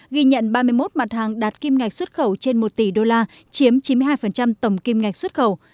ghi nhận ba mươi một mặt hàng đạt kim ngạch xuất khẩu trên một tỷ đô la chiếm chín mươi hai tổng kim ngạch xuất khẩu